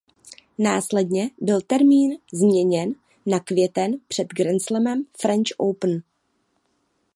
Následně byl termín změněn na květen před grandslam French Open.